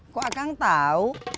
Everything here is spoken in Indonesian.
kok kang tahu